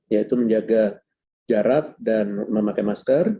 yaitu menjaga jarak dan memakai masker